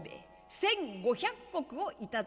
１、５００石を頂いております。